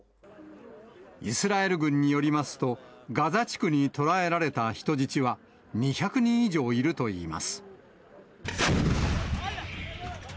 イスラエル軍によりますと、ガザ地区に捕らえられた人質は２００人以上いるといいます。